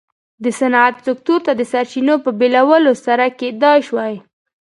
د صنعت سکتور ته د سرچینو په بېلولو سره کېدای شوای.